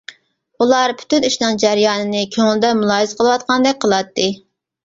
ئۇلار پۈتۈن ئىشنىڭ جەريانىنى كۆڭلىدە مۇلاھىزە قىلىۋاتقاندەك قىلاتتى.